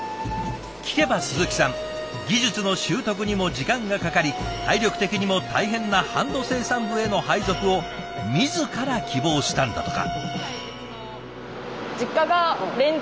聞けば鈴木さん技術の習得にも時間がかかり体力的にも大変なハンド生産部への配属を自ら希望したんだとか。